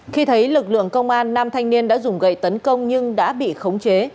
khi thấy lực lượng công an nam thanh niên đã dùng gậy tấn công nhưng đã bị khống chế